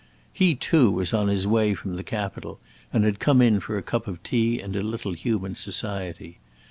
He, too, was on his way from the Capitol, and had come in for a cup of tea and a little human society.